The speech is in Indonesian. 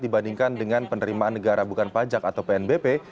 dibandingkan dengan penerimaan negara bukan pajak atau pnbp